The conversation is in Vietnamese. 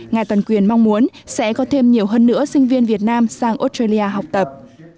ngài tuần quyền mong muốn sẽ có thêm nhiều hơn nữa sinh viên việt nam sang australia học tập